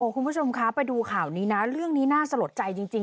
คุณผู้ชมคะไปดูข่าวนี้นะเรื่องนี้น่าสะลดใจจริง